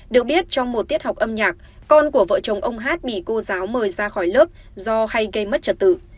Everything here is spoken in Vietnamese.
được biết trong một tiết học âm nhạc con của vợ chồng ông hát bị cô giáo mời ra khỏi lớp do hay gây mất trật tự